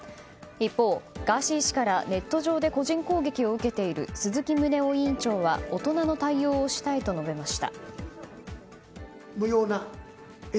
一方、ガーシー氏からネット上で個人攻撃を受けている鈴木宗男委員長は大人の対応をしたいと述べました。